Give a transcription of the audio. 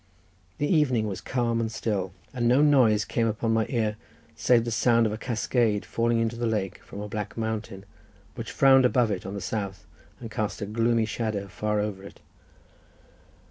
The evening was calm and still, and no noise came upon my ear save the sound of a cascade falling into the lake from a black mountain, which frowned above it on the south, and cast a gloomy shadow far over it.